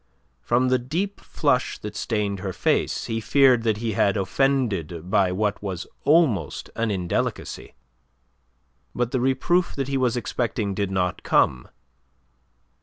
From the deep flush that stained her face, he feared that he had offended by what was almost an indelicacy. But the reproof that he was expecting did not come.